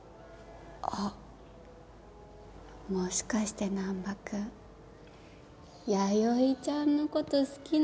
あもしかして難破君弥生ちゃんのこと好きなの？